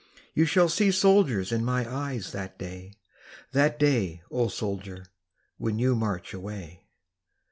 You shall see soldiers in my eyes that day That day, O soldier, when you march away.